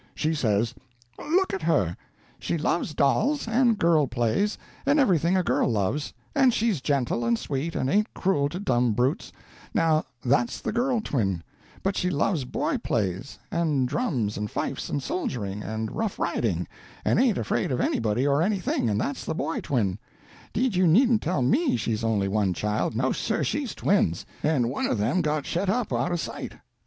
She says: "Look at her; she loves dolls, and girl plays, and everything a girl loves, and she's gentle and sweet, and ain't cruel to dumb brutes—now that's the girl twin, but she loves boy plays, and drums and fifes and soldiering, and rough riding, and ain't afraid of anybody or anything—and that's the boy twin; 'deed you needn't tell me she's only one child; no, sir, she's twins, and one of them got shet up out of sight.